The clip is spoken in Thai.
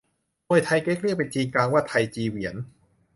มวยไท่เก๊ก เรียกเป็นจีนกลางว่าไท่จี๋เฉวียน